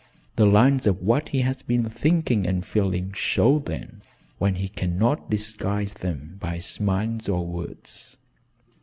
The lines of what he has been thinking and feeling show then when he cannot disguise them by smiles or words.